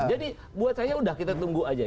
jadi buat saya udah kita tunggu aja